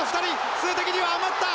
数的には余った！